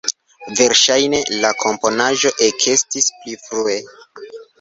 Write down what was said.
Verŝajne la komponaĵo ekestis pli frue.